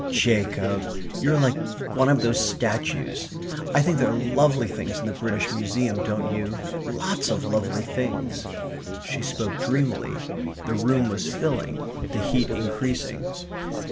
"Jacob. You're like one of those statues.... I think there are lovely things in the British Museum, don't you? Lots of lovely things ..." she spoke dreamily. The room was filling; the heat increasing.